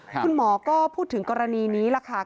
คุณหมอก็พูดถึงกรณีนี้ล่ะค่ะ